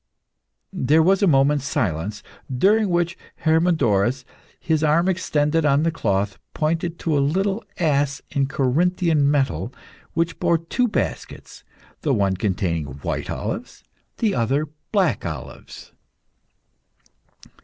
There was a moment's silence, during which Hermodorus, his arm extended on the cloth, pointed to a little ass in Corinthian metal which bore two baskets the one containing white olives, the other black olives.